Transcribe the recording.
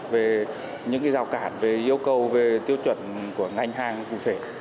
về những giao cản yêu cầu tiêu chuẩn của ngành hàng cụ thể